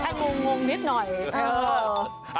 แค่งงนิดหน่อย